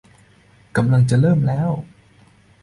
กำลังจะเริ่มแล้ว